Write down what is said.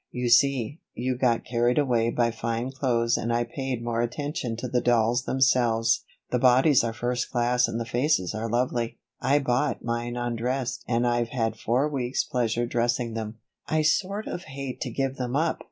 You see, you got carried away by fine clothes and I paid more attention to the dolls themselves. The bodies are first class and the faces are lovely. I bought mine undressed and I've had four weeks' pleasure dressing them I sort of hate to give them up.